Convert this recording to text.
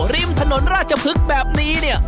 ริมถนนราชภึกแบบนี้